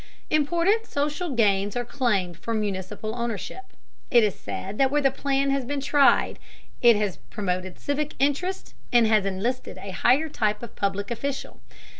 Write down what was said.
Important social gains are claimed for municipal ownership. It is said that where the plan has been tried, it has promoted civic interest and has enlisted a higher type of public official.